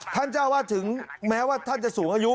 ท่านเจ้าวาดถึงแม้ว่าท่านจะสูงอายุ